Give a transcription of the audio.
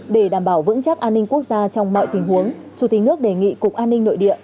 để đảm bảo vững chắc an ninh quốc gia trong mọi tình huống chủ tịch nước đề nghị cục an ninh nội địa